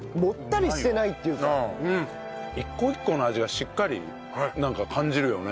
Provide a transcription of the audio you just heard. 一個一個の味がしっかりなんか感じるよね。